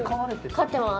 飼ってます。